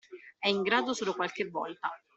È in grado solo qualche volta.